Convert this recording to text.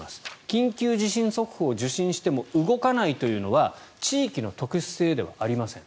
緊急地震速報を受信しても動かないというのは地域の特殊性ではありません。